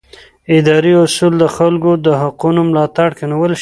اداري اصول د خلکو د حقونو ملاتړ کوي.